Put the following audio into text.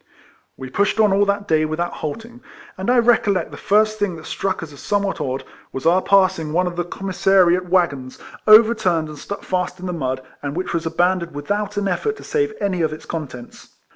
We pushed on all that day without halt ing; and I recollect the first thing that struck us as somewhat odd, was our passing one of the commissariat waggons, overturned and stuck fast in the mud, and which was abandoned without an effort to save any of its contents.